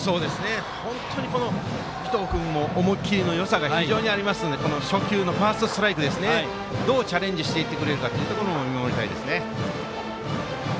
本当に尾藤君も思い切りのよさがありますから初球のファーストストライクどうチャレンジするか見守りたいですね。